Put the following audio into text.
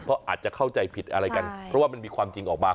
เพราะอาจจะเข้าใจผิดอะไรกันเพราะว่ามันมีความจริงออกมา